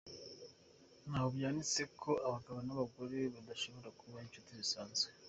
Ntaho byanditswe ko abagabo n’abagore badashobora kuba inshuti zisanzwe.